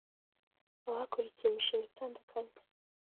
abakurikiye imishinga itandukanye